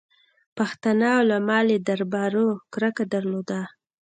پښتانه علما له دربارو کرکه درلوده.